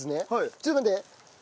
ちょっと待って。